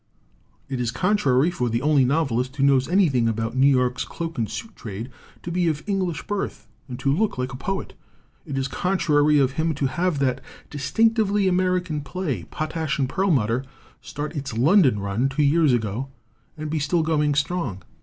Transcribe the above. It is contrary for the only novelist who knows anything about New York's cloak and suit trade to be of English birth and to look like a poet. It is contrary of him to have that distinctively American play, "Potash and Perlmutter," start its London run 4 49 LITERATURE IN THE MAKING two years ago and be "still going strong."